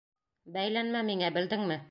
Бәйләнмә миңә, белдеңме!